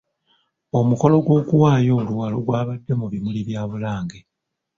Omukolo gw'okuwaayo oluwalo gwabadde mu bimuli bya Bulange.